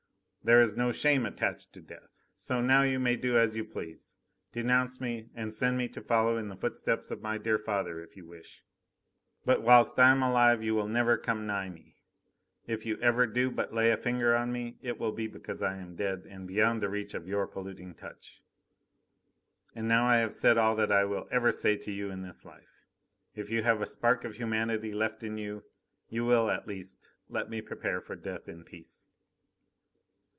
There is no shame attached to death. So now you may do as you please denounce me, and send me to follow in the footsteps of my dear father, if you wish. But whilst I am alive you will never come nigh me. If you ever do but lay a finger upon me, it will be because I am dead and beyond the reach of your polluting touch. And now I have said all that I will ever say to you in this life. If you have a spark of humanity left in you, you will, at least, let me prepare for death in peace."